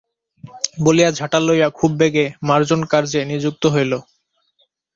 বলিয়া ঝাঁটা লইয়া খুব বেগে মার্জনকার্যে নিযুক্ত হইল।